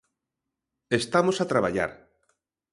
Estamos a traballar.